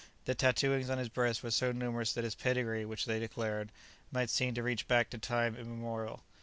The tattooings on his breast were so numerous that his pedigree, which they declared, might seem to reach back to time immemorial.